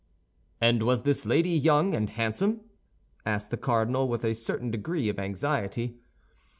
"And was this lady young and handsome?" asked the cardinal, with a certain degree of anxiety.